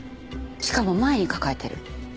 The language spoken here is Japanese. しかも前に抱えてる。